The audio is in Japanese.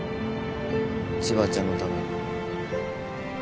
千葉ちゃんのために。